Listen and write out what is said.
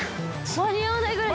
間に合わないぐらい。